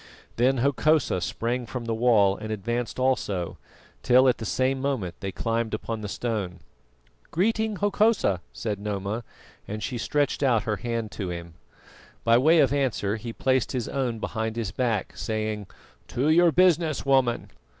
Then Hokosa sprang from the wall and advanced also, till at the same moment they climbed upon the stone. "Greeting, Hokosa," said Noma, and she stretched out her hand to him. By way of answer he placed his own behind his back, saying: "To your business, woman."